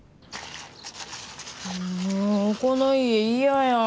もうこの家いやや！